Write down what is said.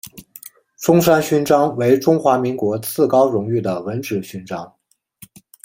中山勋章为中华民国次高荣誉的文职勋章。